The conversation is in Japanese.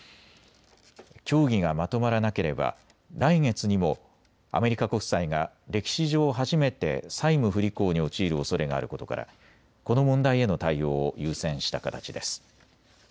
協議がまとまらなければ来月にもアメリカ国債が歴史上初めて債務不履行に陥るおそれがあることからこの問題への対応を優先した形です。